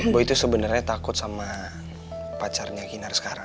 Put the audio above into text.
boy tuh sebenernya takut sama pacarnya kinar sekarang